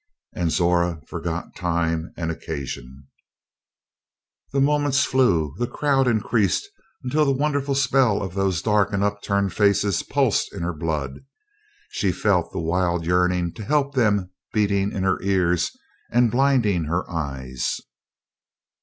And Zora forgot time and occasion. The moments flew; the crowd increased until the wonderful spell of those dark and upturned faces pulsed in her blood. She felt the wild yearning to help them beating in her ears and blinding her eyes.